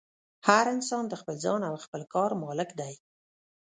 هر انسان د خپل ځان او خپل کار مالک دی.